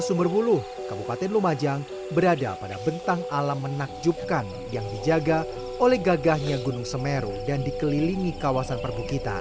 sumberbulu kabupaten lumajang berada pada bentang alam menakjubkan yang dijaga oleh gagahnya gunung semeru dan dikelilingi kawasan perbukitan